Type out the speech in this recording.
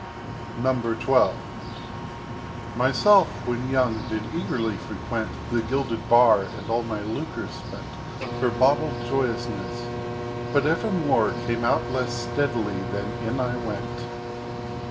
XII Myself when young did eagerly frequent The gilded Bar, and all my Lucre spent For bottled Joyousness, but evermore Came out less steadily than in I went.